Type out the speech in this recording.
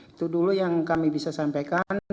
itu dulu yang kami bisa sampaikan